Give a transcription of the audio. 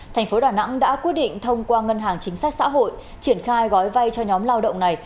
tp đà nẵng đã quyết định thông qua ngân hàng chính sách xã hội triển khai gói vai cho nhóm lao động này